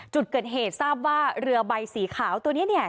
จุดเกิดเหตุทราบว่าเรือใบสีขาวตัวนี้เนี่ย